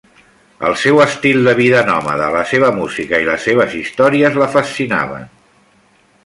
El seu estil de vida nòmada, la seva música i les seves històries la fascinaven.